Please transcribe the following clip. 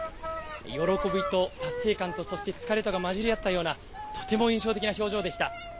喜びと達成感とそして疲れとがまじり合ったような、とても印象的な表情でした。